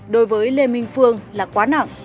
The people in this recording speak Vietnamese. đối với lê minh phương là quá nặng